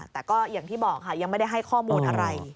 แต่ก็อย่างที่บอกค่ะยังไม่ได้ให้ข้อมูลอะไร